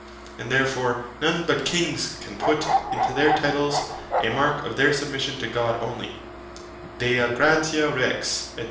And therefore none but Kings can put into their Titles (a mark of their submission to God onely ) Dei Gratia Rex, &c.